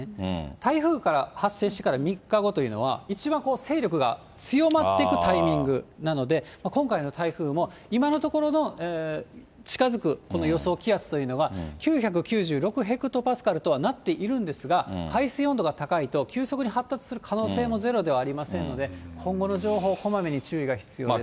台風が発生してから３日後というのは、一番勢力が強まっていくタイミングなので、今回の台風も、今のところの、近づく予想気圧というのは、９９６ヘクトパスカルとはなっているんですが、海水温度が高いと、急速に発達する可能性もゼロではありませんので、今後の情報、こまめに注意が必要です。